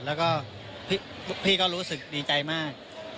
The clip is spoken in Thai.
แล้วก็พี่ก็รู้สึกดีใจมาก